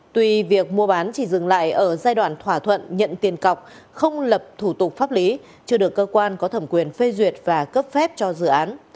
tuy việc mua bán chỉ dừng lại ở giai đoạn thỏa thuận nhận tiền cọc không lập thủ tục pháp lý chưa được cơ quan có thẩm quyền phê duyệt và cấp phép cho dự án